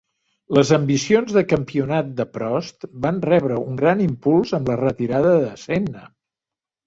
Les ambicions de campionat de Prost van rebre un gran impuls amb la retirada de Senna.